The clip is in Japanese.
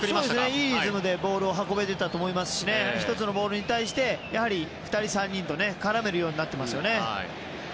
いいリズムでボールを運べてたと思いますし１つのボールに対して２人、３人と絡めるようになっていますね。